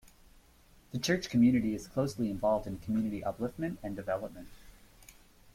The church community is closely involved in community upliftment and development.